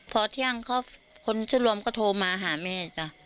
พอเที่ยงคนชื่อรวมก็โทรมาหาแม่จ้ะ